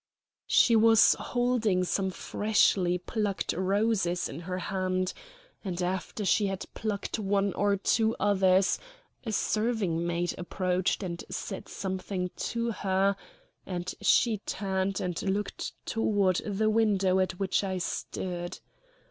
She was holding some freshly plucked roses in her hand, and after she had plucked one or two others a serving maid approached and said something to her; and she turned and looked toward the window at which I stood.